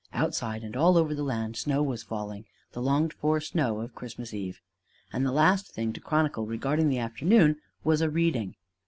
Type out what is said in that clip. Outside and all over the land snow was falling the longed for snow of Christmas Eve. And the last thing to chronicle regarding the afternoon was a reading.